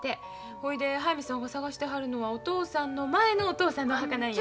ほいで速水さんが探してはるのはお父さんの前のお父さんのお墓なんや。